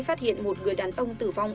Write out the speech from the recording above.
phát hiện một người đàn ông tử vong